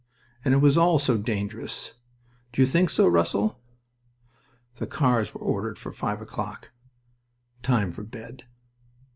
And it was all so dangerous. Don't you think so, Russell? The cars were ordered for five o'clock. Time for bed.